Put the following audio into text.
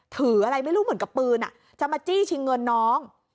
ถืออะไรไม่รู้เหมือนกับปืนจะมาจี้ชิงเงินน้อง